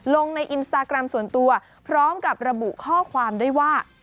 ลงในอินสตาแกรมส่วนตัวพร้อมกับระบุข้อความด้วยว่า